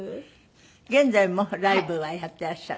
現在もライブはやってらっしゃる？